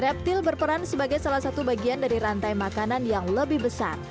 reptil berperan sebagai salah satu bagian dari rantai makanan yang lebih besar